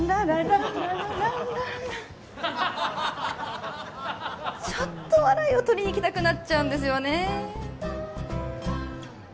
ちょっと笑いを取りにいきたくなっちゃうんですよね。